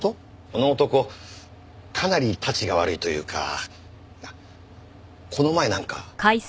この男かなりたちが悪いというかこの前なんか。